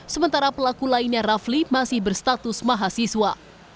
sementara pelaku lainnya rafli masih berstatus mahasiswa